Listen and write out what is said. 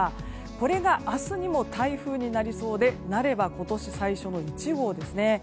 これが、明日にも台風になりそうでなれば今年最初の１号ですね。